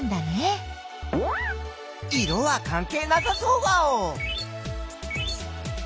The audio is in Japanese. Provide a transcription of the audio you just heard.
色はかんけいなさそうワオ！